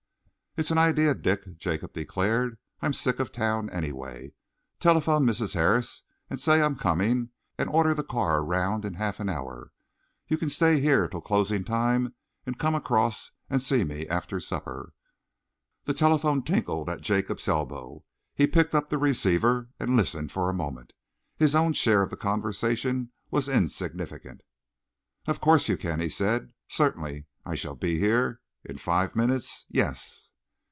"It's an idea, Dick," Jacob declared. "I'm sick of town, anyway. Telephone Mrs. Harris and say I'm coming, and order the car around in half an hour. You can stay here till closing time and come across and see me after supper." The telephone tinkled at Jacob's elbow. He picked up the receiver and listened for a moment. His own share of the conversation was insignificant. "Of course you can," he said. "Certainly, I shall be here.... In five minutes?... Yes!"